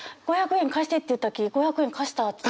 「５００円貸してって言ったき５００円貸した」って。